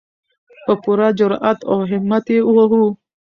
په پوره جرئت او همت یې ووهو.